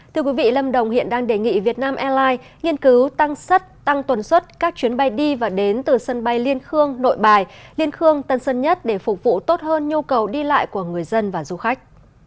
thưa quý vị lâm đồng hiện đang đề nghị vietnam airlines nghiên cứu tăng sắt tăng tuần suất các chuyến bay đi và đến từ sân bay liên khương nội bài liên khương tân sân nhất để phục vụ tốt hơn nhu cầu đi lại của người dân và du khách